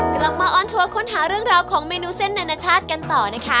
กลับมาออนทัวร์ค้นหาเรื่องราวของเมนูเส้นนานาชาติกันต่อนะคะ